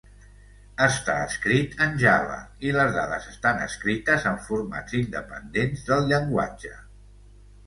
Està escrit en Java, i les dades estan escrites en formats independents del llenguatge.